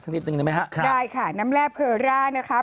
ได้ค่ะน้ำแล่พิรเล่า